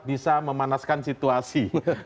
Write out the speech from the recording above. bisa memanaskan situasi